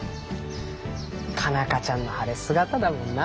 佳奈花ちゃんの晴れ姿だもんな。